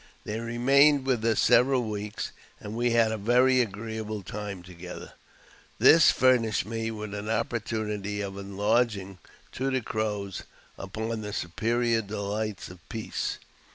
They remained with us several weeks, and we had a very agreeable time together. This furnished me with an opportunity of enlarging to the Crows upon the superior delights of peace.